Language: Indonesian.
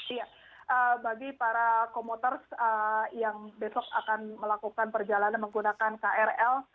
iya bagi para komuter yang besok akan melakukan perjalanan menggunakan krl